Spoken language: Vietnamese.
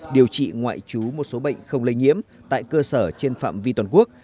điều trị ngoại trú một số bệnh không lây nhiễm tại cơ sở trên phạm vi toàn quốc